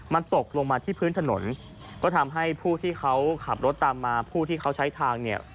มันตกลงมาที่พื้นถนนก็ทำให้ผู้ที่เขาขับรถตามมาผู้ที่เขาใช้ทางเนี่ย